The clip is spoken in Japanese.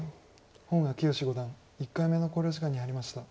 義五段１回目の考慮時間に入りました。